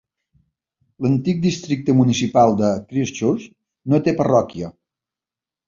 L'antic districte municipal de Christchurch no té parròquia.